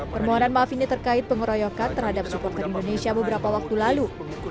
permohonan maaf ini terkait pengeroyokan terhadap supporter indonesia beberapa waktu lalu